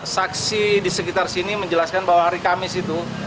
saksi di sekitar sini menjelaskan bahwa hari kamis itu